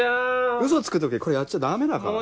ウソつく時はこれやっちゃダメだから。